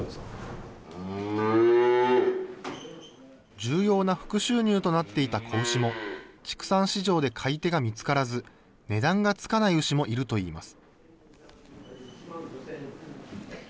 重要な副収入となっていた子牛も、畜産市場で買い手が見つからず、値段がつかない牛もいるといいます。